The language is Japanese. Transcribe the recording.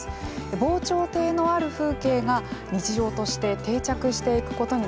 防潮堤のある風景が日常として定着していくことになります。